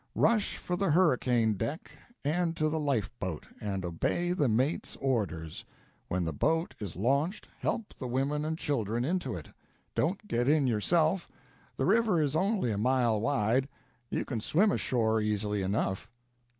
Rush for the hurricane deck and to the life boat, and obey the mate's orders. When the boat is launched, help the women and children into it. Don't get in yourself. The river is only a mile wide. You can swim ashore easily enough."